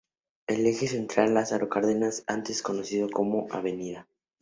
El Eje Central Lázaro Cárdenas antes conocido como Av.